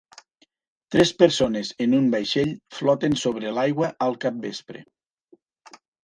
Tres persones en un vaixell floten sobre l'aigua al capvespre.